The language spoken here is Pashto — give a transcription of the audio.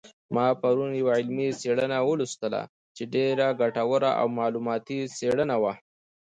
ما پرون یوه علمي څېړنه ولوستله چې ډېره ګټوره او معلوماتي څېړنه وه